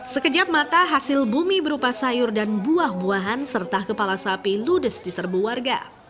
sekejap mata hasil bumi berupa sayur dan buah buahan serta kepala sapi ludes di serbu warga